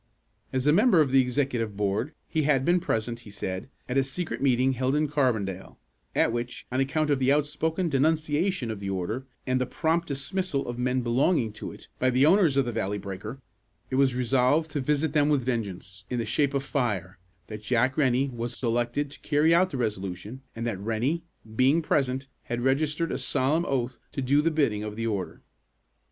As a member of the executive board, he had been present, he said, at a secret meeting held in Carbondale, at which, on account of the outspoken denunciation of the order, and the prompt dismissal of men belonging to it, by the owners of the Valley Breaker, it was resolved to visit them with vengeance, in the shape of fire; that Jack Rennie was selected to carry out the resolution, and that Rennie, being present, had registered a solemn oath to do the bidding of the order.